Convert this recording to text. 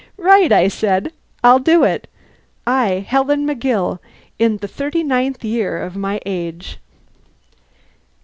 "Right!" I said. "I'll do it." I, Helen McGill, in the thirty ninth year of my age!